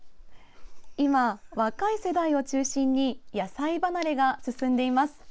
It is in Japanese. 今、若い世代を中心に野菜離れが進んでいます。